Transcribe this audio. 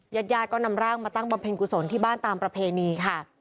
ญาติญาติก็นำร่างมาตั้งบำเพ็ญกุศลที่บ้านตามประเพณีค่ะ